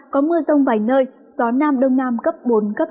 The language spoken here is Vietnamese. có mưa rông vài nơi gió nam đông nam cấp bốn cấp năm